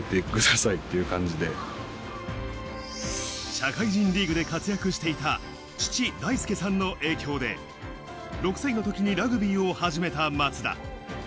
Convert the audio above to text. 社会人リーグで活躍していた父・大輔さんの影響で６歳のときにラグビーを始めた松田。